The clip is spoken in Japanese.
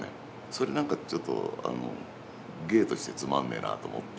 それ何かちょっと芸としてつまんねえなと思って。